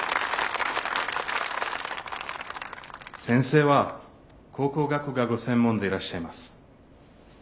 先生は考古学がご専門でいらっしゃいます。